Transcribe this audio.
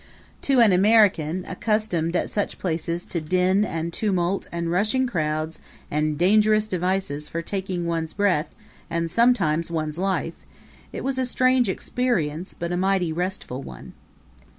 To an American, accustomed at such places to din and tumult and rushing crowds and dangerous devices for taking one's breath and sometimes one's life, it was a strange experience, but a mighty restful one.